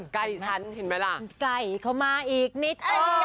ไกลเข้ามาอีกนิด